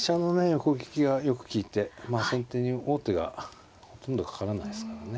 横利きがよく利いて先手に王手がほとんどかからないですからね